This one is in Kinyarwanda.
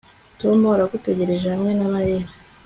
Tom aragutegereje hamwe na Mariya